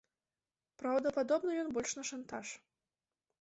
Праўда, падобны ён больш на шантаж.